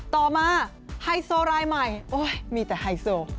ต่อมาไฮโซรายใหม่โอ้ยมีแต่ไฮโซ